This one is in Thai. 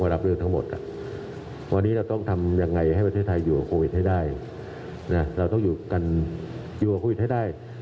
เราต้องอยู่กับโควิดให้ได้